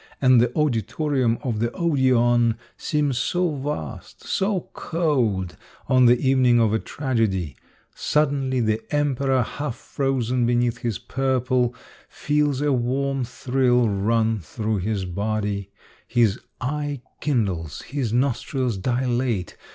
And the auditorium of the Odeon seems so vast, so cold, on the evening of a tragedy ! Suddenly the emperor, half frozen beneath his purple, feels a warm thrill run through his body. His eye kindles, his nostrils dilate.